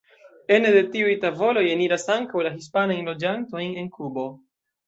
Ene de tiuj tavoloj eniras ankaŭ la hispanajn loĝantojn en Kubo.